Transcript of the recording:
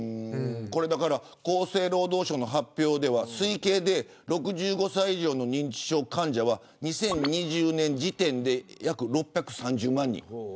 厚生労働省の発表では推計で６５歳以上の認知症患者は２０２２年時点で約６３０万人。